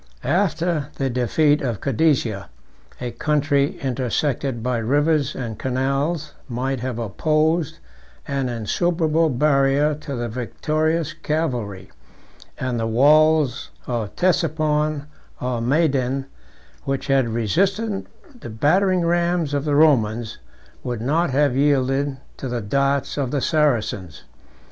After the defeat of Cadesia, a country intersected by rivers and canals might have opposed an insuperable barrier to the victorious cavalry; and the walls of Ctesiphon or Madayn, which had resisted the battering rams of the Romans, would not have yielded to the darts of the Saracens.